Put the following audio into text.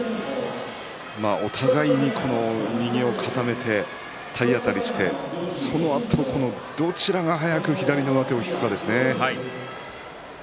お互いに右を固めて体当たりをしてそのあとどちらが早く左の上手を引くかですね。